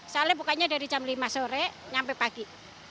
soalnya bukanya dari jam lima sore sampai pagi